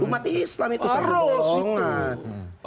umat islam itu seru sangat